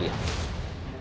apa kamu gak salah lagi